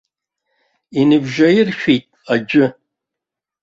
Иныбжьаиршәит аӡәы.